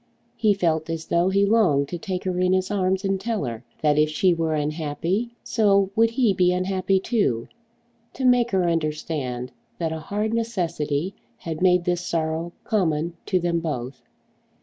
He felt as though he longed to take her in his arms and tell her, that if she were unhappy, so would he be unhappy too, to make her understand that a hard necessity had made this sorrow common to them both.